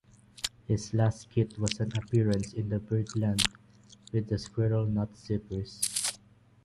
His last skit was an appearance in the Birdland with the Squirrel Nut Zippers.